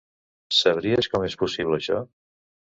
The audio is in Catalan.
Sabries com és possible això?